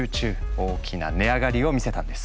大きな値上がりを見せたんです。